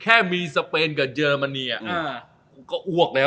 แค่มีสเปนกับเยอรมนีก็อ้วกแล้ว